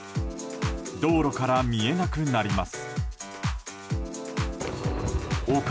道路から見えなくなります。